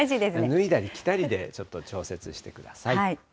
脱いだり着たりでちょっと調節してください。